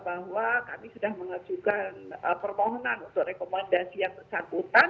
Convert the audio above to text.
bahwa kami sudah mengajukan permohonan untuk rekomendasi yang bersangkutan